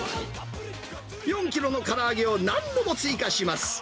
４キロのから揚げを何度も追加します。